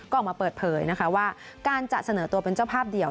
ก็ออกมาเปิดเผยนะคะว่าการจะเสนอตัวเป็นเจ้าภาพเดียว